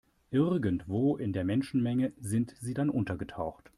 Irgendwo in der Menschenmenge sind sie dann untergetaucht.